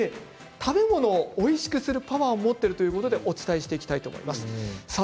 食べ物をおいしくするパワーがあるということでお伝えしていきます。